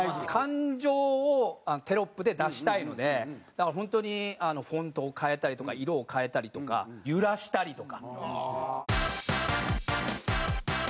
感情をテロップで出したいのでだから本当にフォントを変えたりとか色を変えたりとか揺らしたりとか。